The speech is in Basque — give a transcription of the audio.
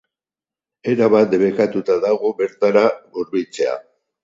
Erabat debekatuta dago bertara hurbiltzea.